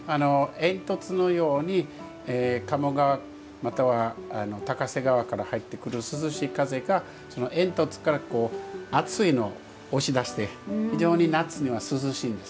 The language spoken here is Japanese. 煙突のように鴨川または高瀬川から入ってくる涼しい風が煙突からこう暑いのを押し出して非常に夏には涼しいんです。